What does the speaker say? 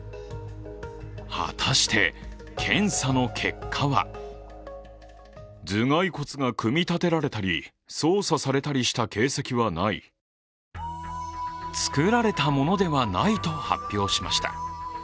果たして、検査の結果は作られたものではないと発表しました。